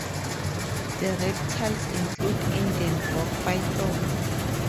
The reptiles include Indian rock python.